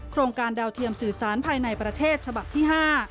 โครงการดาวเทียมสื่อสารภายในประเทศฉบับที่๕